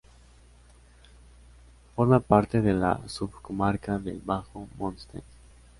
Forma parte de la subcomarca del Bajo Montseny.